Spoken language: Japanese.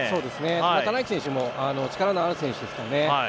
この棚池選手も力のある選手ですからね。